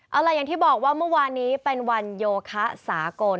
เอาล่ะอย่างที่บอกว่าเมื่อวานนี้เป็นวันโยคะสากล